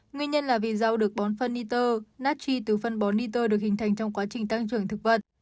nguyên nhân là vì rau được bón phân nitr natchi từ phân bón nitr được hình thành trong quá trình tăng trưởng thực vật